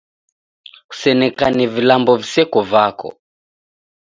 Kusenekane vilambo viseko vako